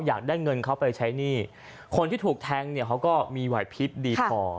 อยากได้เงินเขาไปใช้หนี้คนที่ถูกแทงเนี่ยเขาก็มีไหวพิษดีพอ